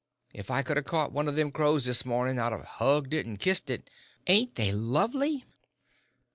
If I could 'a' caught one o' them crows this mornin' I'd 'a' hugged it an' kissed it. Ain't they lovely?"